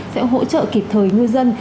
sẽ hỗ trợ kịp thời ngư dân